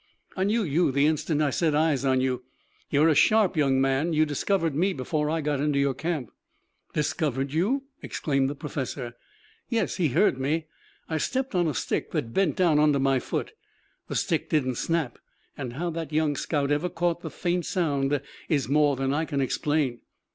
"I knew you the instant I set eyes on you. You're a sharp young man. You discovered me before I got into your camp." "Discovered you?" exclaimed the professor. "Yes. He heard me. I stepped on a stick that bent down under my foot. The stick didn't snap and how that young scout ever caught the faint sound is more than I can explain."